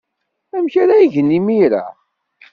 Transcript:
Amek ara gen imir-a?